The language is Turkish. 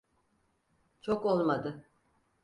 Çok olmadı.